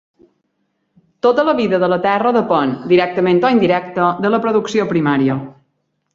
Tota la vida de la Terra depèn, directament o indirecta, de la producció primària.